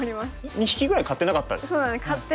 ２匹ぐらい飼ってなかった？